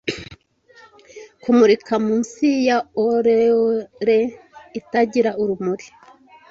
Kumurika munsi ya aureole itagira urumuri